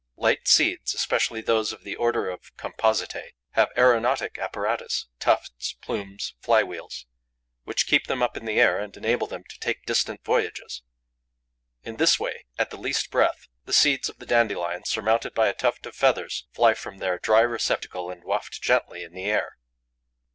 Light seeds, especially those of the order of Compositae, have aeronautic apparatus tufts, plumes, fly wheels which keep them up in the air and enable them to take distant voyages. In this way, at the least breath, the seeds of the dandelion, surmounted by a tuft of feathers, fly from their dry receptacle and waft gently in the air.